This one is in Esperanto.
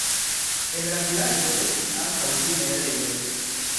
En la vilaĝo estis ankaŭ du muelejoj.